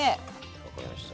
分かりました。